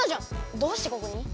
どうしてここに？